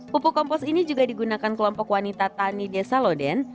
pupuk kompos ini juga digunakan kelompok wanita tani desa loden